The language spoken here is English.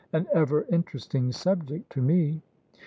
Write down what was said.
"An ever interesting subject to me."